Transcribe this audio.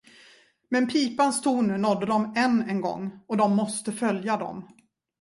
Men pipans toner nådde dem än en gång, och de måste följa dem.